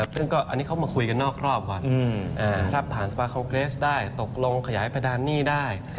ซึ่งก็อันนี้เขามาคุยกันนอกรอบก่อนถ้าผ่านสปาคอลเกรสได้ตกลงขยายเพดานหนี้ได้